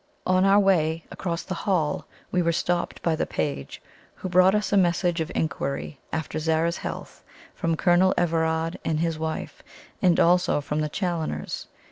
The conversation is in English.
On our way across the hall we were stopped by the page, who brought us a message of inquiry after Zara's health from Colonel Everard and his wife, and also from the Challoners.